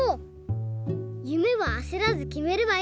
ゆめはあせらずきめればいいんだね。